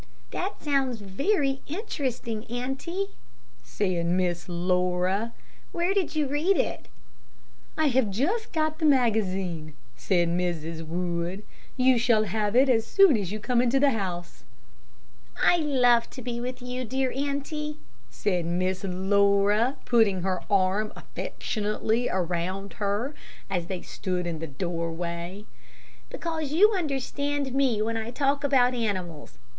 "That sounds very interesting, auntie," said Miss Laura. "Where did you read it?" "I have just got the magazine," said Mrs. Wood; "you shall have it as soon as you come into the house." "I love to be with you, dear auntie," said Miss Laura, putting her arm affectionately around her, as they stood in the doorway; "because you understand me when I talk about animals.